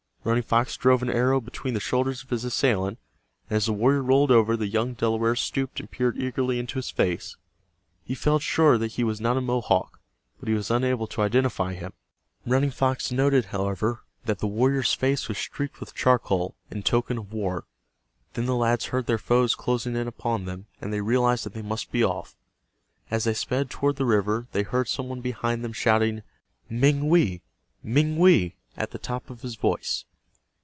Running Fox drove an arrow between the shoulders of his assailant, and as the warrior rolled over the young Delaware stooped and peered eagerly into his face. He felt sure that he was not a Mohawk, but he was unable to identify him. Running Fox noted, however, that the warrior's face was streaked with charcoal, in token of war. Then the lads heard their foes closing in upon them, and they realized that they must be off. As they sped toward the river they heard some one behind them shouting, "Mengwe! Mengwe!" at the top of his voice.